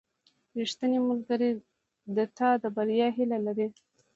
• ریښتینی ملګری د تا د بریا هیله لري.